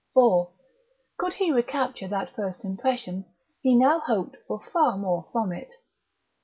For, could he recapture that first impression, he now hoped for far more from it.